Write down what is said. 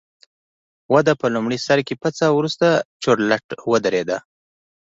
وده په لومړي سر کې پڅه او وروسته چورلټ ودرېده